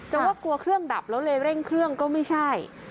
ว่ากลัวเครื่องดับแล้วเลยเร่งเครื่องก็ไม่ใช่